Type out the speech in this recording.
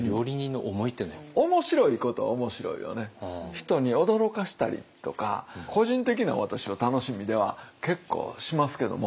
人に驚かしたりとか個人的な私は楽しみでは結構しますけども。